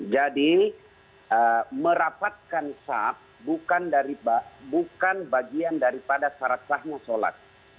jadi merapatkan saf bukan bagian daripada syarat sahnya sholat